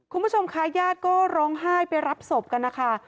คุณผู้ชมค่ะย่าดก็ร้องไห้ไปรับสมบกัน